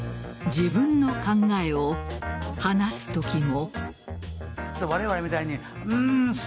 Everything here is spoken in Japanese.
自分の考えを話すときも。